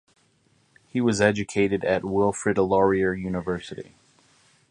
He was educated at Wilfrid Laurier University.